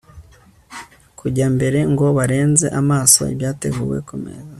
kujya mbere ngo barenze amaso ibyateguwe ku meza